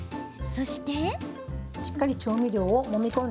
そして。